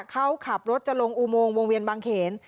เขาขับรถจะลงอุโมงวงเวียนบางเขน